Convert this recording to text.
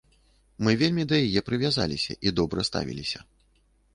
Мы вельмі да яе прывязаліся і добра ставіліся.